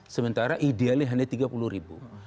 sementara idealnya hanya tiga puluh ribu